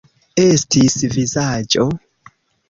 Estis vizaĝo.